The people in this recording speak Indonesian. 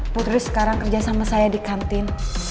putri sekarang kerja sama saya di kantin